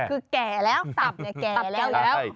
คือแก่แล้วตับแก่แล้ว